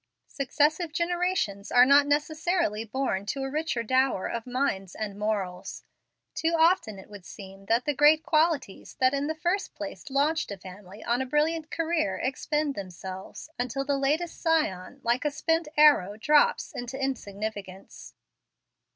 Successive generations are not necessarily born to a richer dower of mind and morals. Too often it would seem that the great qualities that in the first place launched a family on a brilliant career expend themselves, until the latest scion, like a spent arrow, drops into insignificance.